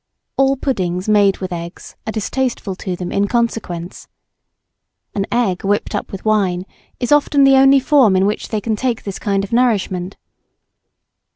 All puddings made with eggs, are distasteful to them in consequence. An egg, whipped up with wine, is often the only form in which they can take this kind of nourishment.